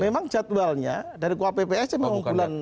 memang jadwalnya dari kuap pps memang bulan